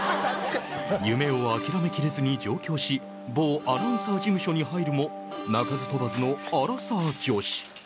夢を諦めきれずに上京し某アナウンサー事務所に入るも鳴かず飛ばずのアラサー女子。